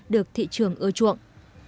được thị trường ưa chuộng